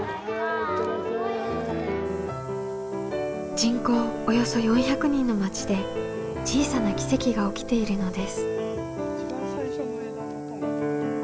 人口およそ４００人の町で小さな奇跡が起きているのです。